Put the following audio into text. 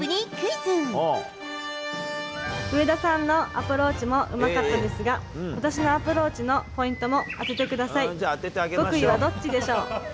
上田さんのアプローチもうまかったですが、私のアプローチのポイントも当ててください。